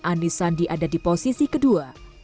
anies sandi ada di posisi kedua